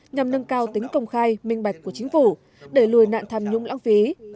nhằm nâng cao tính công khai minh bạch của chính phủ để lùi nạn tham nhũng lãng phí